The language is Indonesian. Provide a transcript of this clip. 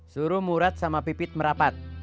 suruh murad sama pipit merapat